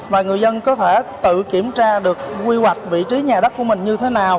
và người dân có thể tự kiểm tra được quy hoạch vị trí nhà đất của mình như thế nào